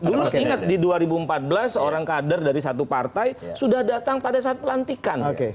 dulu ingat di dua ribu empat belas seorang kader dari satu partai sudah datang pada saat pelantikan